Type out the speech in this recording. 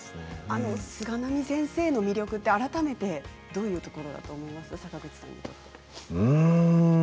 菅波先生の魅力って改めてどういうところだと思いますか坂口さん。